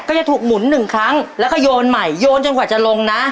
ก็จะถูกหมุนหนึ่งครั้งแล้วก็โยนใหม่โยนจนกว่าจะลงนะ